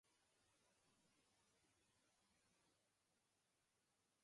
Marriages do not occur between families sharing the same Sameychong.